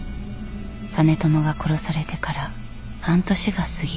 実朝が殺されてから半年が過ぎている。